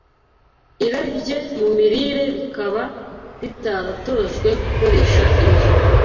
irari rye mu mirire rikaba ritaratojwe gukoresha indyo